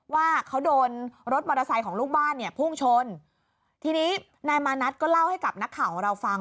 ว่าเขาโดนรถมอเตอร์ไซค์ของลูกบ้านเนี่ยพุ่งชนทีนี้นายมานัทก็เล่าให้กับนักข่าวของเราฟัง